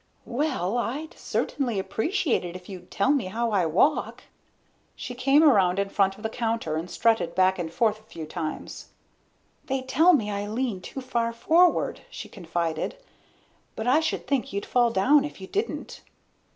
"Well, I'd certainly appreciate it if you'd tell me how I walk." She came around in front of the counter and strutted back and forth a few times. "They tell me I lean too far forward," she confided. "But I should think you'd fall down if you didn't."